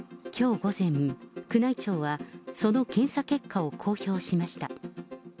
きょう午前、宮内庁はその検査結果を公表しました。